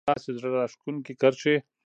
داسې زړه راښکونکې کرښې